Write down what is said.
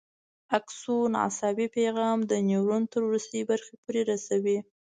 اکسون عصبي پیغام د نیورون تر وروستۍ برخې پورې رسوي.